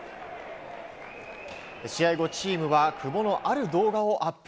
試合後、チームは久保のある動画をアップ。